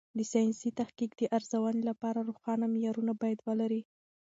د ساینسي تحقیق د ارزونې لپاره روښانه معیارونه باید ولري.